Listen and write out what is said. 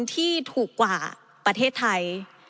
ที่ถูกกว่าประเทศไทย